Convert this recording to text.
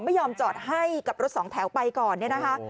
ไม่ยอมจอดให้กับรถสองแถวไปก่อนเนี่ยนะคะ